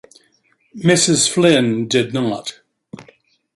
Mrs. Flynn did not.